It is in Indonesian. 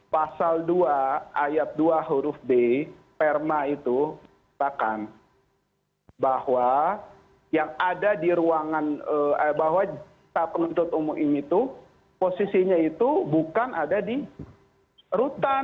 pasal dua ayat dua huruf b perma itu mengatakan bahwa yang ada di ruangan bahwa penuntut umum ini itu posisinya itu bukan ada di rutan